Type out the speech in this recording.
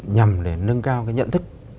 nhằm để nâng cao nhận thức